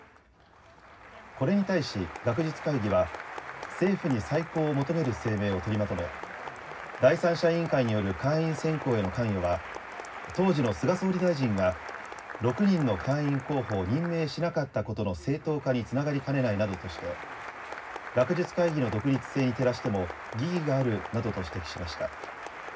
これに対し、学術会議は政府に再考を求める声明を取りまとめ、第三者委員会による会員選考への関与は、当時の菅総理大臣が６人の会員候補を任命しなかったことの正統化につながりかねないなどとして、学術会議の独立性に照らしても疑義があるなどと指摘しました。